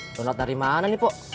donat dari mana nih pok